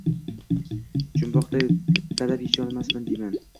Jumboqday bittalab yecholsam, deyman.